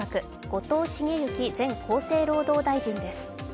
後藤茂之前厚生労働大臣です。